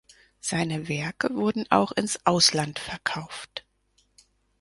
Seine Werke wurden auch ins Ausland verkauft.